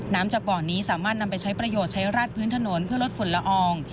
จากบ่อนี้สามารถนำไปใช้ประโยชน์ใช้ราดพื้นถนนเพื่อลดฝุ่นละออง